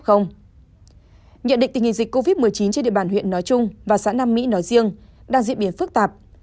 nhận định tình hình dịch covid một mươi chín trên địa bàn huyện nói chung và xã nam mỹ nói riêng đang diễn biến phức tạp